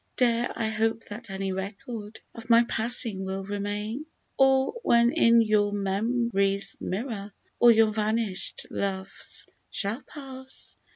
Dare I hope that any record of my passing will remain ? Or, when in your mem'ry's mirror all your vanished loves shall pass.